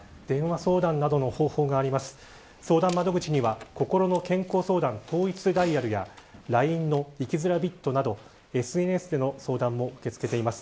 相談窓口にはこころの健康相談統一ダイヤルやＬＩＮＥの生きづらびっとなどＳＮＳでの相談も受け付けています。